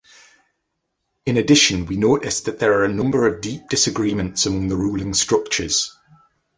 In addition, we notice that there are a number of deep disagreements among the ruling structures.